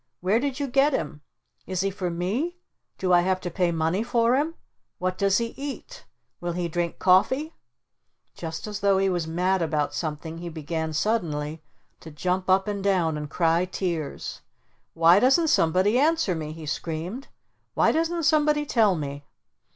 Where did you get him? Is he for me? Do I have to pay money for him? What does he eat? Will he drink coffee?" Just as though he was mad about something he began suddenly to jump up and down and cry tears. "Why doesn't somebody answer me?" he screamed. "Why doesn't somebody tell me?"